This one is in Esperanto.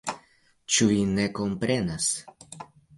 Ĉu vi ne komprenas?